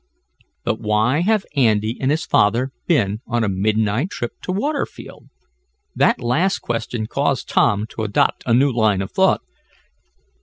But why have Andy and his father been on a midnight trip to Waterfield?" That last question caused Tom to adopt a new line of thought.